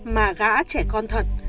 mà gã trẻ con thật